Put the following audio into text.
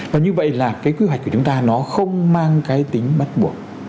và như vậy là cái quy hoạch của chúng ta nó không mang cái tính bắt buộc